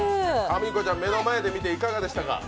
みこちゃん、目の前で見ていかがでしたか？